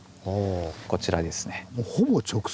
こちらですね。